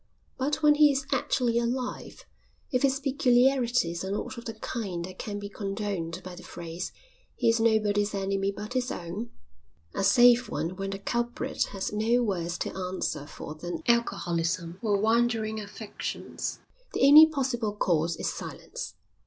But when he is actually alive, if his peculiarities are not of the kind that can be condoned by the phrase, "he is nobody's enemy but his own," a safe one when the culprit has no worse to answer for than alcoholism or wandering affections, the only possible course is silence.